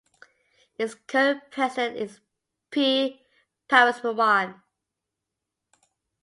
Its current president is P. Parameswaran.